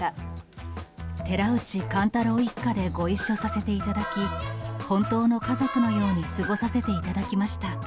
寺内貫太郎一家でご一緒させていただき、本当の家族のように過ごさせていただきました。